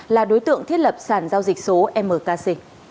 là đối tượng thiết lập sản giao dịch số mkc